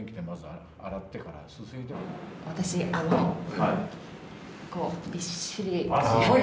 私、あの、こうびっしり。